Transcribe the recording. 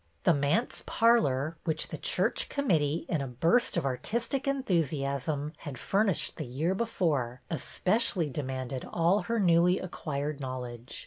The manse parlor, which the church com mittee, in a burst of artistic enthusiasm, had furnished the year before, especially demanded all her newly acquired knowl edge.